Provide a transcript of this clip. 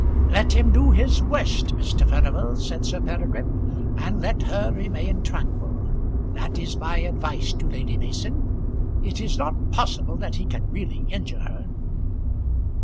"Let him do his worst, Mr. Furnival," said Sir Peregrine; "and let her remain tranquil; that is my advice to Lady Mason. It is not possible that he can really injure her."